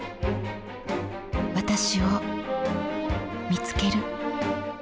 私を見つける。